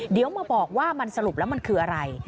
เดี๋ยวมาบอกว่ามันสรุปแล้วมันคืออะไร